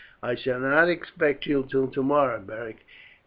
"I shall not expect you till tomorrow, Beric.